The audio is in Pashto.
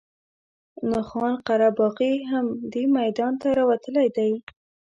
نو خان قره باغي هم دې میدان ته راوتلی دی.